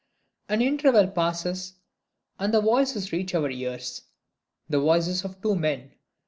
An interval passes; and voices reach our ears the voices of two men.